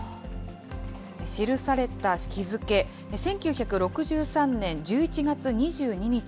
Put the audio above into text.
記された日付、１９６３年１１月２２日。